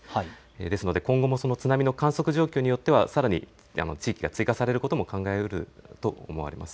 ですので今後も津波の観測状況によってはさらに地域が追加されることも考えられると思われます。